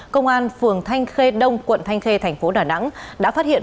công an phường thanh khê đông quận thanh khê tp đà nẵng đã phát hiện